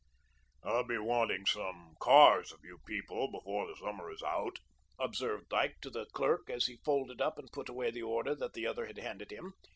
"I'll be wanting some cars of you people before the summer is out," observed Dyke to the clerk as he folded up and put away the order that the other had handed him.